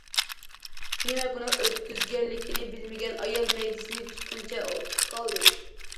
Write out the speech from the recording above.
نېمە گۇناھ ئۆتكۈزگەنلىكىنى بىلمىگەن ئايال مەيدىسىنى تۇتقىنىچە ئولتۇرۇپ قالدى.